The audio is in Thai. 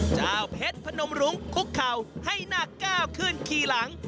เจ้าเพชรพนมรุ้งคุกเข่าให้นาคก้าวขึ้นขี่หลัง